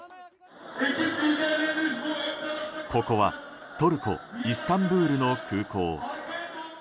ここはトルコ・イスタンブールの空港。